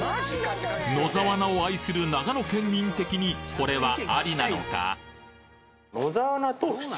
野沢菜を愛する長野県民的にこれはアリなのか？